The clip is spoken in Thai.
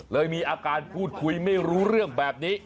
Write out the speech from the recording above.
เลยมีอาการพูดคุยไม่รู้เรื่องแบบนี้